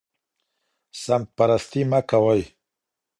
سمت پرستي مه کوئ.